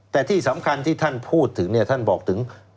แต่ที่สำคัญที่ท่านพูดถึงเนี่ยท่านบอกถึง